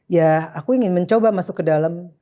ya aku ingin mencoba masuk ke dalam